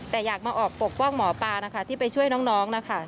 แต่อยากมาออกปกป้องหมอปลานะคะที่ไปช่วยน้องนะคะ